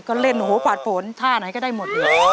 ก็เล่นโอ้โฮผวัดผลท่าไหนก็ได้หมดเลย